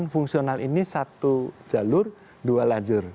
dan fungsional ini satu jalur dua lajur